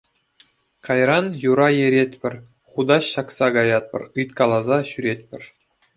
Кайран юра еретпӗр, хутаҫ ҫакса каятпӑр, ыйткаласа ҫӳретпӗр.